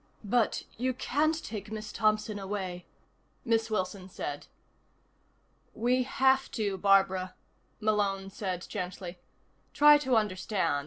"But you can't take Miss Thompson away," Miss Wilson said. "We have to, Barbara," Malone said gently. "Try to understand.